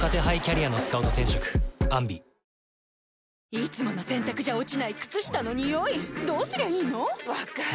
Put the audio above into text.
いつもの洗たくじゃ落ちない靴下のニオイどうすりゃいいの⁉分かる。